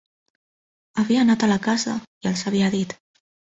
Havia anat a la casa i els havia dit